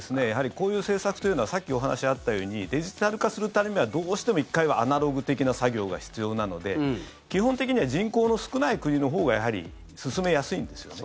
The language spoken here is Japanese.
こういう政策というのはさっきお話あったようにデジタル化するためにはどうしても１回はアナログ的な作業が必要なので基本的には人口の少ない国のほうがやはり進めやすいんですよね。